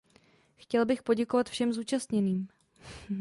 Chtěl bych poděkovat všem zúčastněným.